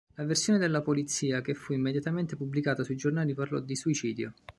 La versione della polizia che fu immediatamente pubblicata sui giornali parlò di suicidio.